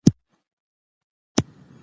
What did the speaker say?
د دې هویت ساتنه فرض ده.